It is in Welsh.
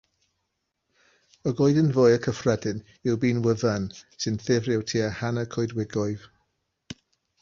Y goeden fwyaf cyffredin yw'r binwydden, sy'n ffurfio tua hanner coedwigoedd.